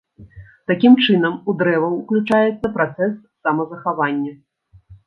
Такім чынам у дрэваў уключаецца працэс самазахавання.